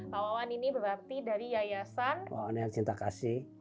pawawan ini berarti dari yayasan waoneak cinta kasih